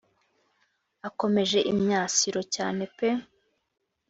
akomeje imyasiro cyane pe